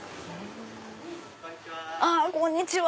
こんにちは。